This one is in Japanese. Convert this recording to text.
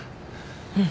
うん。